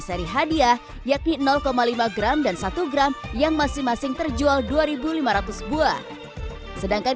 seri hadiah yakni lima gram dan satu gram yang masing masing terjual dua ribu lima ratus buah sedangkan